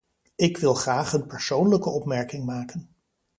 Ik wil graag een persoonlijke opmerking maken.